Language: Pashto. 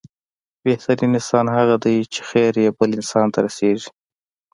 بهترين انسان هغه دی چې، خير يې بل انسان ته رسيږي.